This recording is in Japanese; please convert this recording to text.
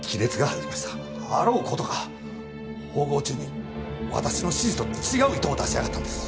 あろう事か縫合中に私の指示と違う糸を出しやがったんです。